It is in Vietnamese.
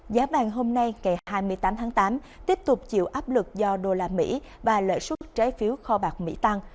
giá bàn hôm nay ngày hai mươi tám tháng tám tiếp tục chịu áp lực do đô la mỹ và lợi xuất trái phiếu kho bạc mỹ thái